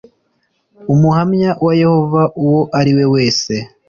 Umuhamya wa Yehova uwo ari we wese